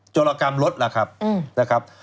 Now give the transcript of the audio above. โจรกรรมรถล่ะครับ